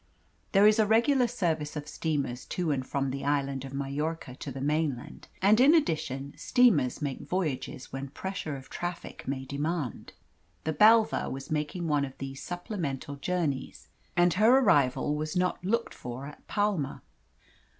There is a regular service of steamers to and from the Island of Majorca to the mainland, and, in addition, steamers make voyages when pressure of traffic may demand. The Bellver was making one of these supplemental journeys, and her arrival was not looked for at Palma.